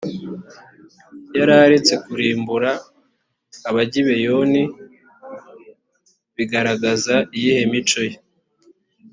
yararetse kurimbura abagibeyoni bigaragaza iyihe mico ye